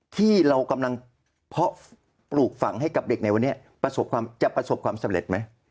ที่เรากำลังเพาะปลูกฝังให้กับเด็กในวันนี้ประสบความจะประสบความสำเร็จไหม